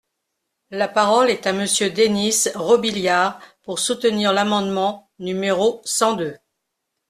La parole est à Monsieur Denys Robiliard, pour soutenir l’amendement numéro cent deux.